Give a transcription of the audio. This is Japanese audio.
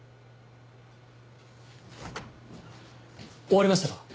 終わりましたか？